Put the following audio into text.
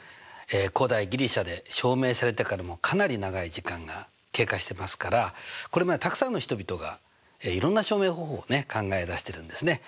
古代ギリシャで証明されてからかなり長い時間が経過してますからこれまでたくさんの人々がいろんな証明方法を考え出してるんですね。